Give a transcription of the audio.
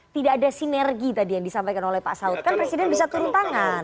tidak ada sinergi tadi yang disampaikan oleh pak saud kan presiden bisa turun tangan